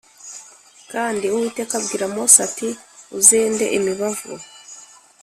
Kandi Uwiteka abwira Mose ati Uzende imibavu